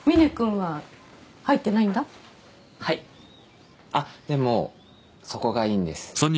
はいあっでもそこがいいんです